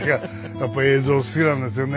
やっぱり映像好きなんですよね。